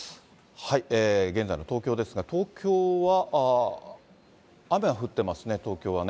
現在の東京ですが、東京は雨が降ってますね、東京はね。